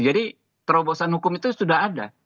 jadi terobosan hukum itu sudah ada